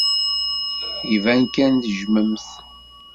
Iban kan tejjmemt-t.